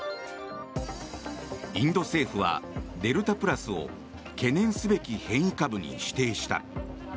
インド政府はデルタプラスを懸念すべき変異株に指定した。